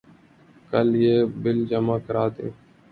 کل یہ بل جمع کرادیں